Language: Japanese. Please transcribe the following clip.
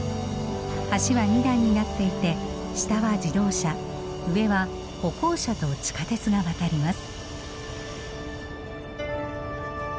橋は二段になっていて下は自動車上は歩行者と地下鉄が渡ります。